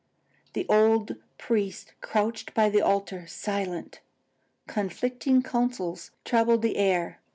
The old priest crouched by the altar, silent. Conflicting counsels troubled the air.